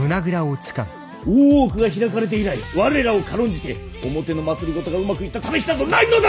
大奥が開かれて以来我らを軽んじて表の政がうまくいったためしなどないのだぞ！